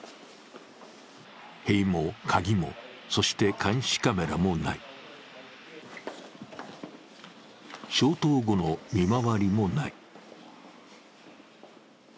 塀も鍵も、そして監視カメラもない消灯後の見回りもない。